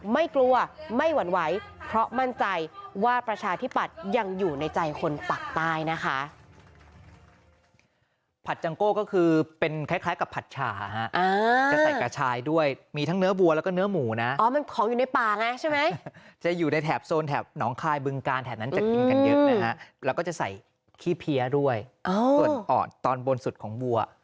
ไม่กลัวไม่หวั่นไหวเพราะมั่นใจว่าประชาธิปัจยัง